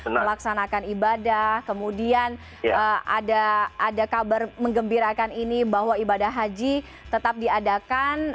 melaksanakan ibadah kemudian ada kabar mengembirakan ini bahwa ibadah haji tetap diadakan